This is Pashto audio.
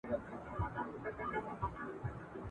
په څارل یې غلیمان په سمه غر کي !.